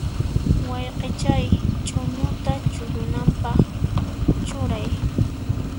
Wayqichay, ch'uñuta chullunanpaq churay.